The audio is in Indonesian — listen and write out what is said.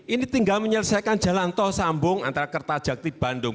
ini tinggal menyelesaikan jalan tol sambung antara kertajati bandung